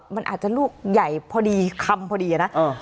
มันอาจจะลูกใหญ่พอดีคำพอดีอะนะ